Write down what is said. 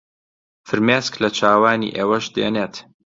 فرمێسک لە چاوانی ئێوەش دێنێت